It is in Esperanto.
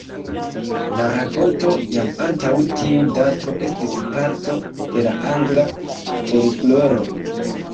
La rakonto, jam antaŭ tiu dato, estis parto de la angla folkloro.